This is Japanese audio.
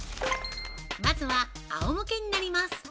まずはあおむけになります。